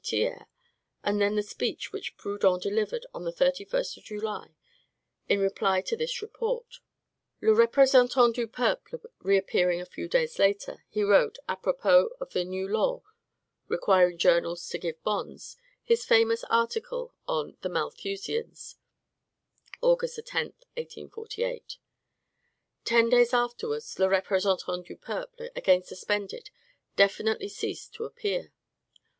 Thiers, and then the speech which Proudhon delivered, on the 31st of July, in reply to this report. "Le Representant du Peuple," reappearing a few days later, he wrote, a propos of the law requiring journals to give bonds, his famous article on "The Malthusians" (August 10, 1848). Ten days afterwards, "Le Representant du Peuple," again suspended, definitively ceased to appear.